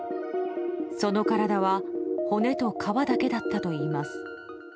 その体は骨と皮だけだったといいます。